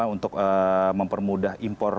untuk mempermudah impor